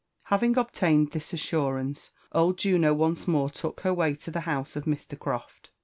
Having obtained this assurance, old Juno once more took hsr wif to the house of Mr. Croft.